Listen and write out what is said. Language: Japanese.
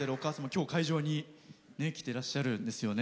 今日、会場に来てらっしゃるんですよね。